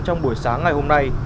trong buổi sáng ngày hôm nay